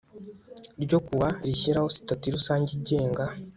ryo ku wa rishyiraho Sitati Rusange igenga